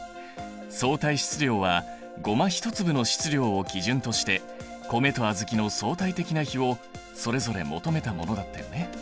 相対質量はゴマ１粒の質量を基準として米と小豆の相対的な比をそれぞれ求めたものだったよね。